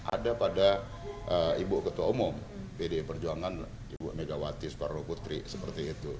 ada pada ibu ketua umum pdi perjuangan ibu megawati soekarno putri seperti itu